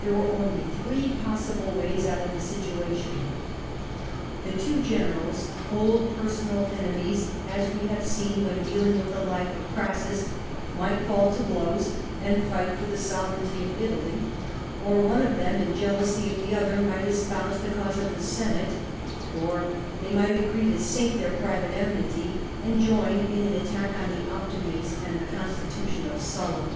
There were only three possible ways out of the situation. The two generals — old personal enemies, as we have seen when dealing with the life of Orassus — might fall to blows and fight for the sovereignty of Italy ; or one of them, in jealousy of the other, might espouse the cause of the Senate ; or they might agree to sink their private enmity and join in an attack on the Optimates and the constitution of Sulla.